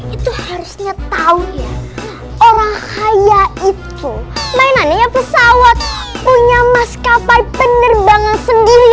itu harusnya tahu ya orang kaya itu mainannya pesawat punya maskapai penerbangan sendiri